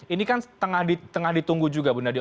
ini kan tengah ditunggu juga bu nadia